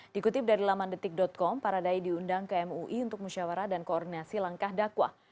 dikutip dari lamandetik com para dai diundang ke mui untuk musyawarah dan koordinasi langkah dakwah